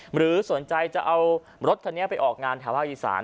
หรือสนใจจะเอารถคันนี้ไปออกงานแถวภาคอีสาน